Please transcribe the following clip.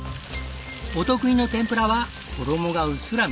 お得意の天ぷらは衣がうっすら緑色。